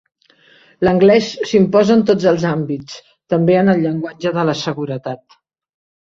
L'anglès s'imposa en tots els àmbits, també en el llenguatge de la seguretat.